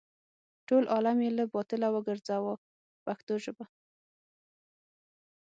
ټول عالم یې له باطله وګرځاوه په پښتو ژبه.